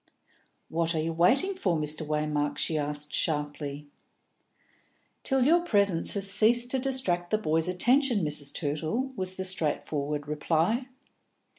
"What are you waiting for, Mr. Waymark?" she asked sharply. "Till your presence has ceased to distract the boys' attention, Mrs. Tootle," was the straightforward reply.